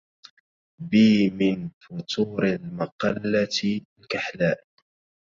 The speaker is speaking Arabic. بي من فتور المقلة الكحلاء